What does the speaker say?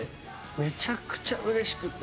めちゃくちゃうれしくて。